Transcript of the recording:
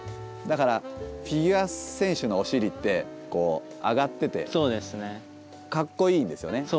だからフィギュア選手のお尻ってこう上がっててかっこいいんですよね。